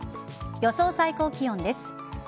予想最高気温です。